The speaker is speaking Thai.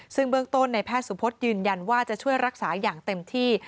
ซึ่งเบื้องต้นในแพทย์สุพธยืนยันว่าจะช่วยรักษาอย่างเต็มที่